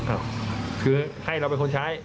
คือให้เราเป็นคนใช้